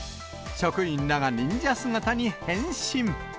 職員らが忍者姿に変身。